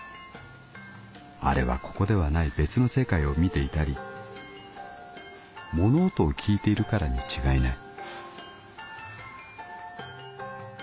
あれはここではない別の世界を見ていたり物音を聞いているからに違いない」。